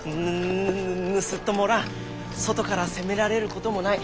ぬぬ盗人もおらん外から攻められることもない。